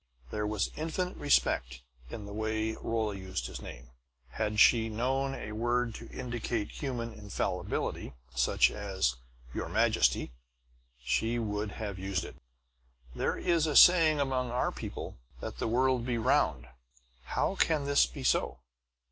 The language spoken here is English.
There was infinite respect in the way Rolla used his name; had she known a word to indicate human infallibility, such as "your majesty," she would have used it. "There is a saying among our people that the world be round. How can this be so?"